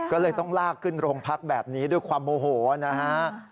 ก็เลยต้องลากขึ้นโรงพักแบบนี้ด้วยความโมโหนะฮะ